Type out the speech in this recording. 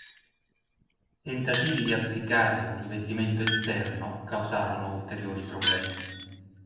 Tentativi di applicare un rivestimento esterno causarono ulteriori problemi.